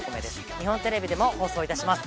日本テレビでも放送いたします